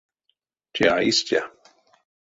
Те а истя.